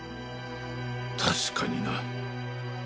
確かにな。